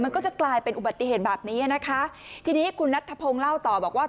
มันก็จะกลายเป็นอุบัติเหตุแบบนี้นะคะทีนี้คุณนัทธพงศ์เล่าต่อบอกว่า